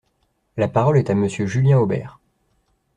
La parole est à Monsieur Julien Aubert.